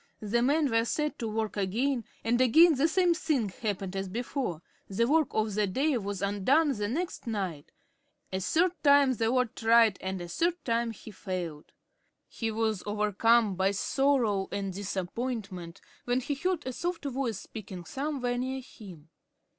The men were set to work again, and again the same thing happened as before. The work of the day was undone the next night. A third time the lord tried, and a third time he failed. He was overcome by sorrow and disappointment, when he heard a soft voice speaking somewhere near him.